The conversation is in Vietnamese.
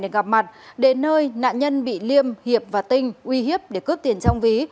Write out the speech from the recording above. để gặp mặt đến nơi nạn nhân bị liêm hiệp và tinh uy hiếp để cướp tiền trong ví